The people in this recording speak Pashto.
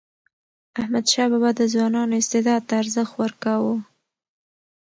احمدشاه بابا د ځوانانو استعداد ته ارزښت ورکاوه.